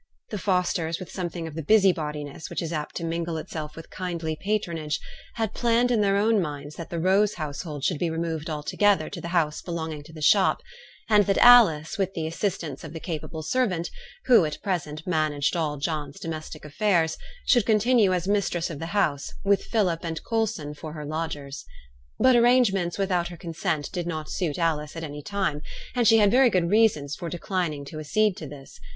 The Fosters, with something of the busybodiness which is apt to mingle itself with kindly patronage, had planned in their own minds that the Rose household should be removed altogether to the house belonging to the shop; and that Alice, with the assistance of the capable servant, who, at present, managed all John's domestic affairs, should continue as mistress of the house, with Philip and Coulson for her lodgers. But arrangements without her consent did not suit Alice at any time, and she had very good reasons for declining to accede to this.